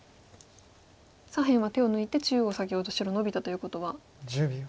左辺は手を抜いて中央先ほど白ノビたということは。